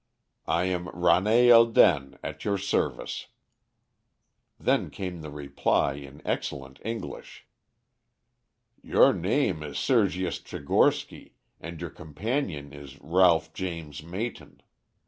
'I am Rane el Den, at your service.' "Then came the reply in excellent English. 'Your name is Sergius Tchigorsky, and your companion is Ralph James Mayton.